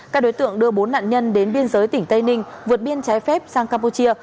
các đối tượng đưa bốn nạn nhân đến biên giới tỉnh tây ninh vượt biên trái phép sang campuchia